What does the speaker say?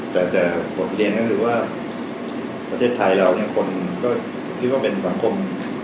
แต่บทเรียนก็คือว่าประเทศไทยเราเนี่ยคนก็เรียกว่าเป็นสังคม